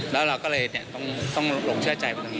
แล้วเราก็เลยต้องหลงเชื่อใจไปตรงนี้